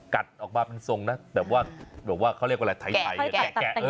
กัดออกมาเป็นทรงนะแบบว่าเขาเรียกว่าอะไรไถ่ไถ่